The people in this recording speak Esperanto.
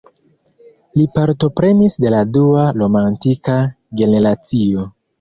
Li partoprenis de la dua romantika generacio.